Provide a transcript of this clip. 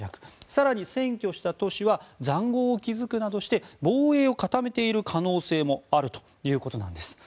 更に占拠した都市は塹壕を築くなどして防衛を固めている可能性もあるということなんです。